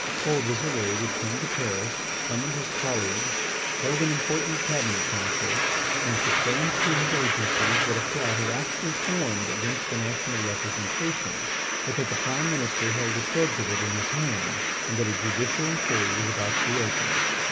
Paul Visire returned to Paris, summoned his colleagues, held an important Cabinet Council, and proclaimed through his agencies that a plot had been actually formed against the national representation, but that the Prime Minister held the threads of it in his hand, and that a judicial inquiry was about to be opened.